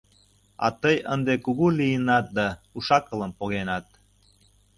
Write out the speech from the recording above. А тый ынде кугу лийынат да уш-акылым погенат.